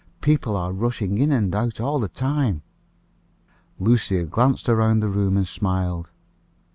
People are rushing in and out all the time." Lucia glanced around the room and smiled.